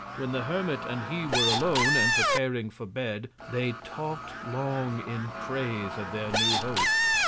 When the Hermit and he were alone, and preparing for Bed, they talk'd long in Praise of their new Host.